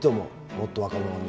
もっと若者に。